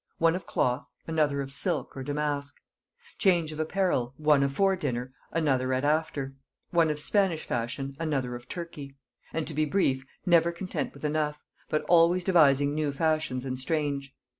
One of cloth, another of silk, or damask. Change of apparel; one afore dinner, another at after: one of Spanish fashion, another of Turkey. And to be brief, never content with enough, but always devising new fashions and strange.